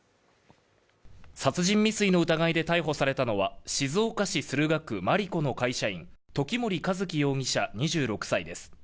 殺人未遂の疑いで逮捕されたのは静岡市駿河区丸子の会社員、時森一輝容疑者２６歳です。